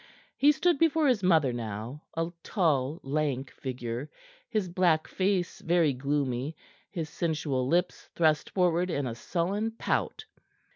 He stood before his mother now, a tall, lank figure, his black face very gloomy, his sensual lips thrust forward in a sullen pout.